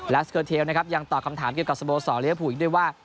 และสเกอร์เทลยังตอบคำถามเกี่ยวกับสโบสอหรือภูย์ด้วยว่า